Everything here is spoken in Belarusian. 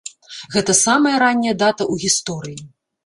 Гэта самая ранняя дата ў гісторыі.